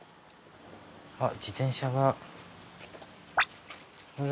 あっ自転車がほら。